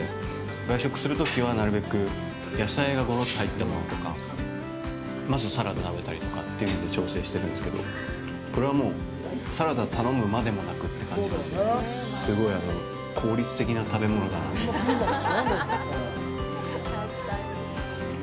外食するときはなるべく野菜がゴロっと入ったものとかまずサラダ食べたりとかというので調整してるんですけどこれは、もうサラダ頼むまでもなくって感じなのですごい効率的な食べ物だなと思います。